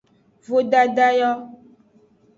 Vodada yo.